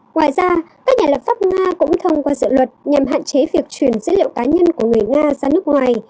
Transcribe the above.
ngoài ra các nhà lập pháp nga cũng thông qua dự luật nhằm hạn chế việc truyền dữ liệu cá nhân của người nga ra nước ngoài